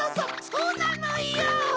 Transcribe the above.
そうなのよ！